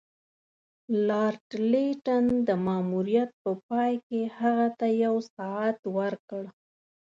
لارډ لیټن د ماموریت په پای کې هغه ته یو ساعت ورکړ.